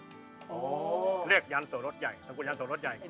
เรียกยันต์โสรศใหญ่สกุลยันต์โสรศใหญ่